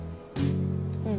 うん。